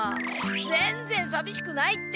ぜんぜんさびしくないって。